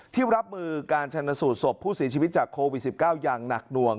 รับมือการชนสูตรศพผู้เสียชีวิตจากโควิด๑๙อย่างหนักหน่วง